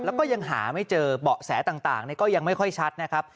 แล้วก็ยังหาไม่เจอเบาะแสต่างก็ยังไม่ค่อยชัดนะครับ